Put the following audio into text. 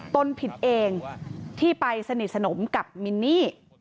ตนผิดเองที่ไปสนิทสนมกับมินนี่